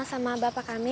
kenal sama bapak kamil